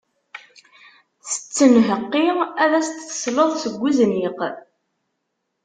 Tettenheqqi ad as-d-tesleḍ seg uzniq.